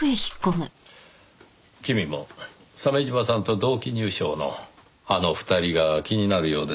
君も鮫島さんと同期入省のあの２人が気になるようですねぇ。